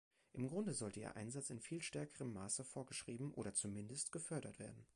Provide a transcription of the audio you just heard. Im Grunde sollte ihr Einsatz in viel stärkerem Maße vorgeschrieben oder zumindest gefördert werden.